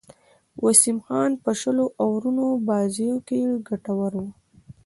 وسیم خان په شلو آورونو بازيو کښي ګټور وو.